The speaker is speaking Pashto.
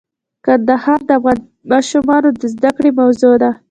کندهار د افغان ماشومانو د زده کړې موضوع ده.